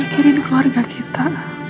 mikirin keluarga kita